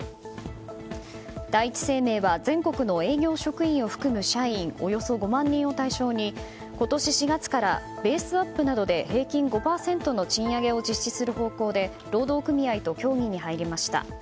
第一生命は全国の営業職員を含む社員およそ５万人を対象に今年４月からベースアップなどで平均５％の賃上げを実施する方向で労働組合と協議に入りました。